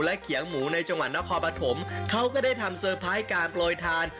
เขียงหมูในจังหวัดนครปฐมเขาก็ได้ทำเซอร์ไพรส์การโปรยทาน